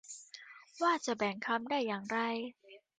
ว่าจะแบ่งคำได้อย่างไร